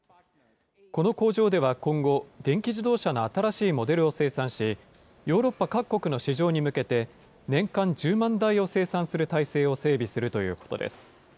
この工場では今後、電気自動車の新しいモデルを生産し、ヨーロッパ各国の市場に向けて、年間１０万台を生産する体制を整備するということです。